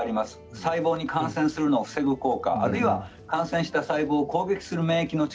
細胞に感染するのを防ぐ効果、あるいは感染した細胞を攻撃する免疫の力